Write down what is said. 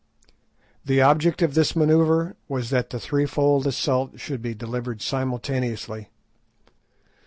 The object of this manoeuvre was that the threefold assault should be delivered simultaneously.